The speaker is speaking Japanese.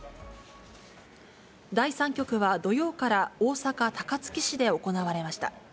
第３局は、土曜から大阪・高槻市で行われました。